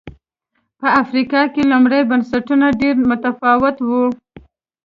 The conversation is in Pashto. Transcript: په افریقا کې لومړي بنسټونه ډېر متفاوت و